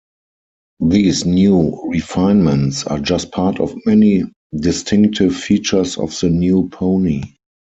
These new refinements are just part of many distinctive features of the New Pony.